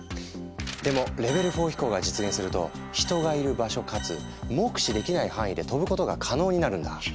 でもレベル４飛行が実現すると人がいる場所かつ目視できない範囲で飛ぶことが可能になるんだ。